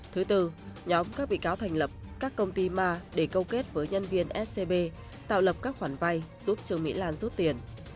thứ tư nhóm các bị cáo thành lập các công ty ma để câu kết với nhân viên scb tạo lập các khoản vay giúp trương mỹ lan rút tiền